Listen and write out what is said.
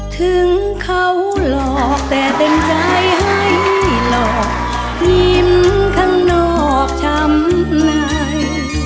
ถึงเขาหลอกแต่เต็มใจให้หลอกยิ้มข้างนอกช้ำใน